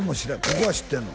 ここは知ってんの？